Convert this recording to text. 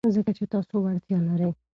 ځکه چې تاسو وړتیا لرئ.